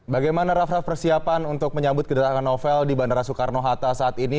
bagaimana raff raff persiapan untuk menyambut kedatangan novel di bandara soekarno hatta saat ini